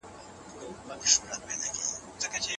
عبد الله بن عباس رضي الله عنهما فرمايي.